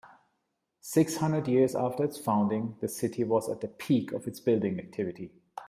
Six hundred years after its founding, the city was at the peak of its building activity.